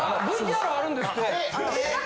ＶＴＲあるんですって。